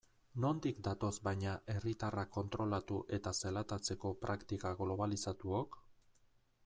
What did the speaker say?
Nondik datoz baina herriatarrak kontrolatu eta zelatatzeko praktika globalizatuok?